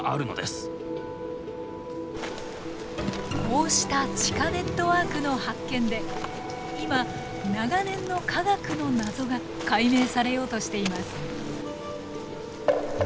こうした地下ネットワークの発見で今長年の科学の謎が解明されようとしています。